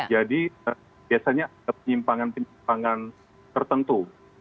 jadi biasanya penyimpangan penyimpangan tertentu